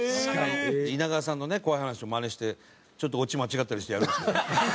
稲川さんのね怖い話をマネしてちょっとオチ間違ったりしてやるんですけど。